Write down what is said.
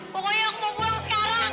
pokoknya aku mau pulang sekarang